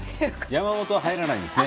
山本は入らないんですね。